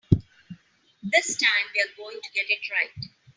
This time we're going to get it right.